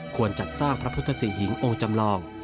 ควรจัดสร้างพระพุทธศรีหิงองค์จำลอง